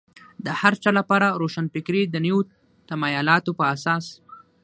د هر چا لپاره روښانفکري د نویو تمایلاتو په اساس.